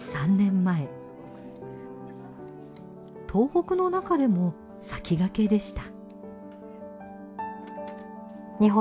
東北の中でも先駆けでした。